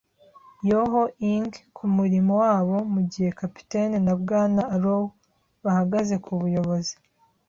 yo-ho-ing kumurimo wabo, mugihe capitaine na Bwana Arrow bahagaze kubuyobozi.